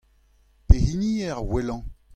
Pehini eo ar wellañ ?